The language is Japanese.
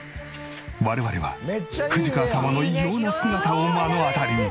我々は藤川様の異様な姿を目の当たりに。